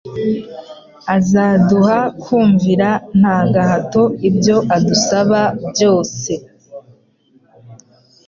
Azaduha kumvira nta gahato ibyo adusaba byose